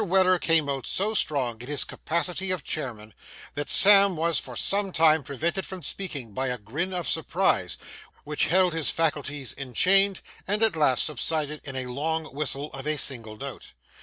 Weller came out so strong in his capacity of chairman, that Sam was for some time prevented from speaking by a grin of surprise, which held his faculties enchained, and at last subsided in a long whistle of a single note.